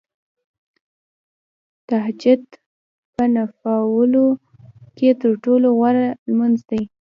تهجد په نوافلو کې تر ټولو غوره لمونځ دی .